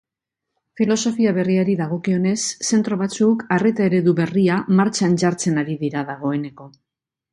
Filosofia berriari dagokionez, zentro batzuk arreta-eredu berria martxan jartzen ari dira dagoeneko.